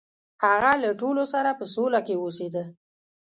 هغه له ټولو سره په سوله کې اوسیده.